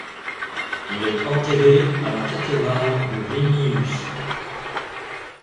Il est enterré à la Cathédrale de Vilnius.